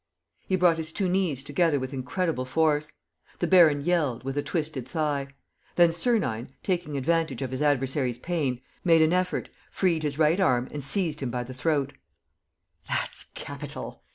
He brought his two knees together with incredible force. The baron yelled, with a twisted thigh. Then Sernine, taking advantage of his adversary's pain, made an effort, freed his right arm and seized him by the throat: "That's capital!